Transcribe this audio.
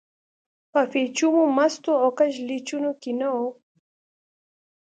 په پېچومو، مستو او کږلېچونو کې نه و.